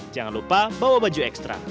jangan lupa bawa baju ekstra